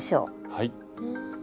はい。